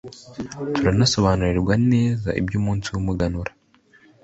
Turanasobanurirwa neza iby'umunsi w'umuganura